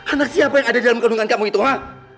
anak siapa yang ada di dalam kandungan kamu itu hak